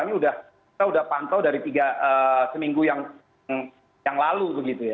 ini kita sudah pantau dari tiga seminggu yang lalu begitu ya